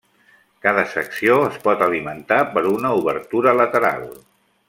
Cada secció es pot alimentar per una obertura lateral.